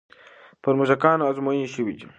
پر موږکانو ازموینې شوې دي.